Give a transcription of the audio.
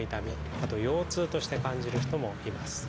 あと腰痛として感じる人もいます。